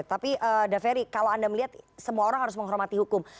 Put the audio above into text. tapi daveri kalau anda melihat semua orang harus menghormati hukum